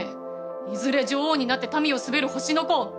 いずれ女王になって民を統べる星の子。